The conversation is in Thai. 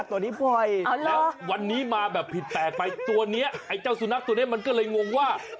แล้ววันนี้มาใหม่ฝิดใหญ่ไปตัวเนี่ยไหนก้าวสุนักตัวนี้มันก็เลยงงว่า